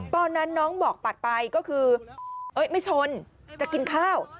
ตอนนั้นน้องบอกปัดไปก็คือไม่ชนจะกินข้าว